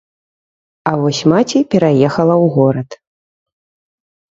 А вось маці пераехала ў горад.